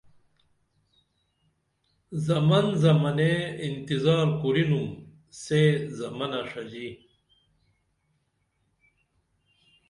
زمن زمنیہ انتظار کُرینُم سے زمنہ ݜژی